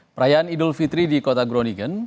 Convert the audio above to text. perayaan idul fitri di kota gronigon